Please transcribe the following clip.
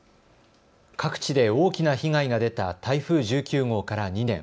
各地で大きな被害が出た台風１９号から２年。